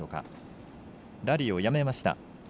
ラリーをやめました。